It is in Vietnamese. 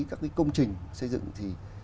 các cái công trình xây dựng thì